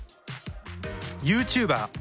ユーチューバー。